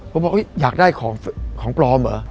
ผมบอกอยากได้ของปลอมเหรอ